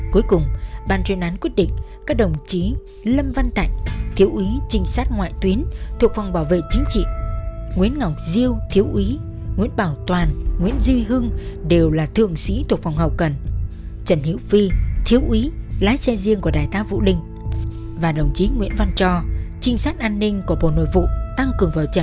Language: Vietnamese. cuối cùng ban chuyên án quyết định các đồng chí lâm văn thạnh thiếu úy trinh sát ngoại tuyến thuộc phòng bảo vệ chính trị nguyễn ngọc diêu thiếu úy nguyễn bảo toàn nguyễn duy hưng đều là thường sĩ thuộc phòng hậu cần trần hiếu phi thiếu úy lái xe riêng của đại tá vũ linh và đồng chí nguyễn văn cho trinh sát an ninh của bộ nội vụ tăng cường vào trận